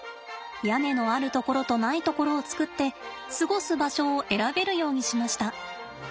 屋根のあるところとないところを作って過ごす場所を選べるようにしました。